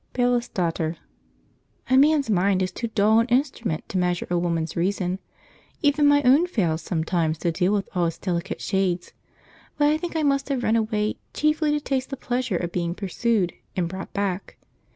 Bailiff's Daughter. "A man's mind is too dull an instrument to measure a woman's reason; even my own fails sometimes to deal with all its delicate shades; but I think I must have run away chiefly to taste the pleasure of being pursued and brought back.